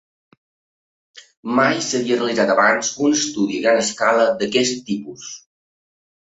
Mai s'havia realitzat abans un estudi a gran escala d'aquest tipus.